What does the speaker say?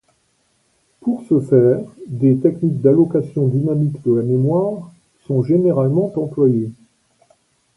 Pour ce faire, des techniques d'allocation dynamique de la mémoire sont généralement employées.